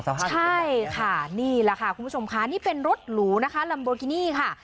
ใช่ค่ะนี่แหละค่ะคุณผู้ชมค่ะนี่เป็นรถหรูนะคะลัมโบกินี่ค่ะ